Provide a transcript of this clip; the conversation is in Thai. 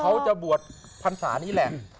เขาจะบวชภัณฑ์ศาสตร์นี้แหละ